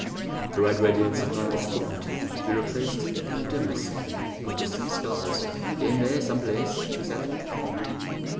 The red radiance of Mars fled, to be replaced by a dimmer scene of distant stars. "In there someplace," she said.